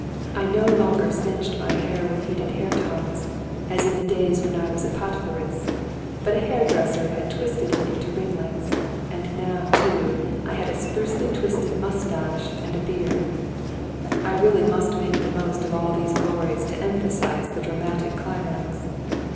I no longer singed my hair with heated hair tongs as in the days when I was a patvarist, but a hairdresser had twisted it into ringlets; and now, too, I had a sprucely twisted moustache and a beard. I really must make the most of all these glories to emphasize the dramatic climax.